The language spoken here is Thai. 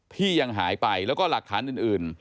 ที่ยังหายไปแล้วก็หลักฐานอื่น